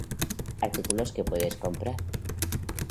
Artículos que puedes comprar.